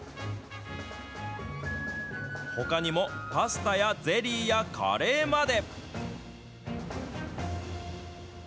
ほかにも、パスタやゼリーやカレーまで。